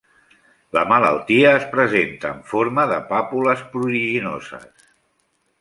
La malaltia es presenta en forma de pàpules pruriginoses.